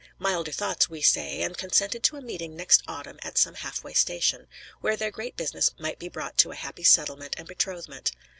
Milder thoughts, we say; and consented to a meeting next autumn at some half way station, where their great business might be brought to a happy settlement and betrothment.